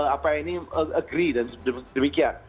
apa ini agree dan demikian